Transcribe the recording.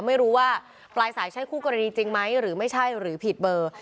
ไม่รู้ว่าปลายสายใช่คู่กรณีจริงไหมหรือไม่ใช่หรือผิดเบอร์